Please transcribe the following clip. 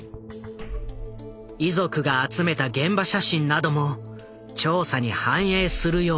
遺族が集めた現場写真なども調査に反映するよう声を上げ続けた。